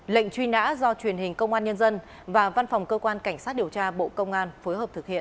lệnh truy nã do truyền hình công an nhân dân và văn phòng cơ quan cảnh sát điều tra bộ công an phối hợp thực hiện